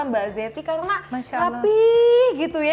mbak zeti kalau enggak rapi gitu ya